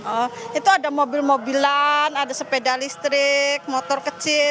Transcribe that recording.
oh itu ada mobil mobilan ada sepeda listrik motor kecil